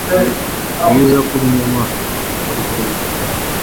Iyo uza kuba inyamaswa, wari kuba iki?